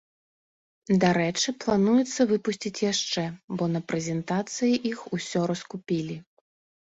Дарэчы, плануецца выпусціць яшчэ, бо на прэзентацыі іх усё раскупілі.